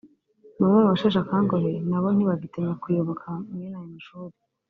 bamwe mu basheshe akanguhe nabo ntibagitinya kuyoboka mwene aya mashuri